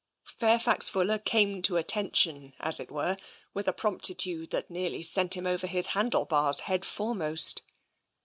Fairfax Fuller came to attention, as it were, with a promptitude that nearly sent him over his handle bars head foremost.